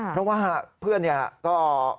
เพราะว่าเพื่อนเนี่ยก็